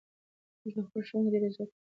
موږ د خپلو ښوونکو ډېر عزت کوو.